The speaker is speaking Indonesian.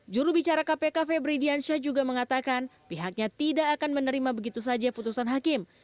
jurubicara kpk febri diansyah juga mengatakan pihaknya tidak akan menerima begitu saja putusan hakim